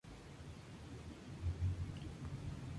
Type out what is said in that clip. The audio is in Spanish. Entonces los Æsir se pusieron en marcha.